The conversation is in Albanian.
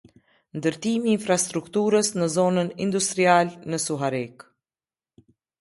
Ndërtimi i infrastrukturës në zonën industrial në Suharekë